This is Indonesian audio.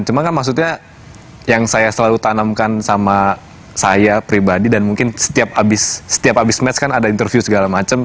cuma kan maksudnya yang saya selalu tanamkan sama saya pribadi dan mungkin setiap habis match kan ada interview segala macem